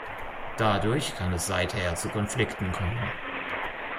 Dadurch kann es seither zu Konflikten kommen.